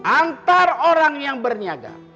antara orang yang berniaga